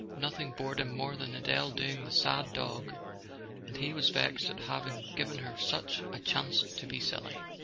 Nothing bored him more than Adele doing the "sad dog," and he was vexed at having given her such a chance to be silly.